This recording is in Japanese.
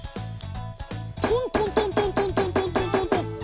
トントントントントントントントン。